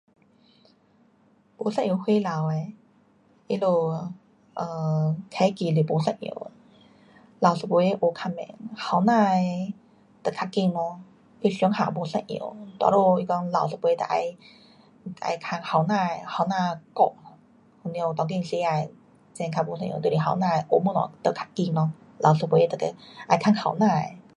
不一样年龄的他们的 um 解决是不一样的。老一辈的学较慢，年轻的就较快咯。他想法不一样，多数他讲老一辈就要，就要问年轻的，年轻顾。了，当今世界真较不一样，就是年轻的学东西就较快咯。老一辈的就得要问年青的。